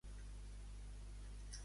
De quan és Megisties?